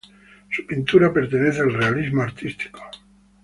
Su pintura pertenece al Realismo artístico.